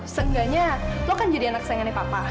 seenggaknya lo kan jadi anak sayangnya papa